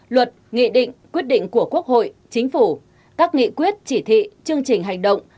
luật nghị định quyết định của quốc hội chính phủ các nghị quyết chỉ thị chương trình hành động